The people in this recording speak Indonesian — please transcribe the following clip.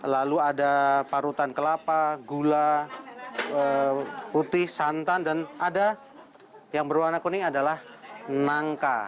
lalu ada parutan kelapa gula putih santan dan ada yang berwarna kuning adalah nangka